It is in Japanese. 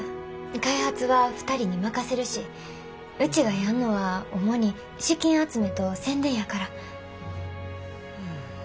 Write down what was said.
開発は２人に任せるしうちがやんのは主に資金集めと宣伝やから。